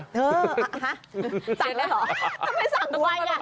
ฮะสั่งแล้วหรอทำไมสั่งไวล่ะ